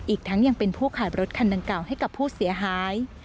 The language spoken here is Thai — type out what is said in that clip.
อีกทั้งยังเป็นผู้ขายรถคันดังกล่าวให้กับผู้เสียหาย